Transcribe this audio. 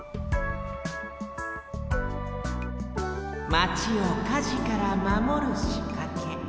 マチを火事からまもるしかけ。